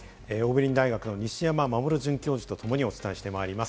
桜美林大学・西山守准教授とともにお伝えしてまいります。